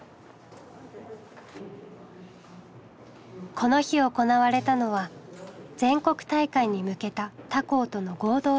この日行われたのは全国大会に向けた他校との合同練習。